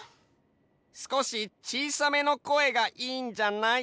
すこしちいさめの声がいいんじゃない？